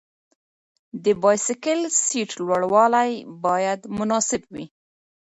د بایسکل سیټ لوړوالی باید مناسب وي.